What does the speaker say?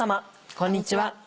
こんにちは。